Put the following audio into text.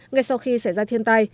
ngay sau khi xảy ra thiên tai